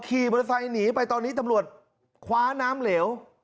ขี่มอเตอร์ไซค์หนีไปตอนนี้ตำรวจคว้าน้ำเหลว